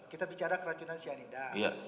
kita bicara keracunan cyanida